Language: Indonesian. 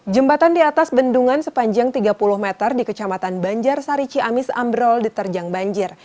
jembatan di atas bendungan sepanjang tiga puluh meter di kecamatan banjar sari ciamis ambrol diterjang banjir